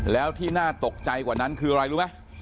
แล้วที่น่าตกใจกว่านั้นคืออะไรรู้ไหม